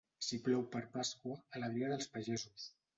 Si plou per Pasqua, alegria dels pagesos.